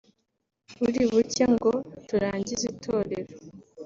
buri buke ngo turangize itorero